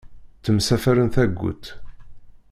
Ttemsafarren tagut.